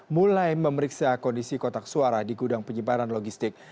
mulai memeriksa kondisi kotak suara di gudang penyebaran logistik